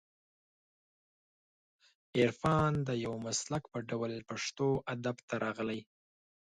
عرفان د یو مسلک په ډول پښتو ادب ته راغلی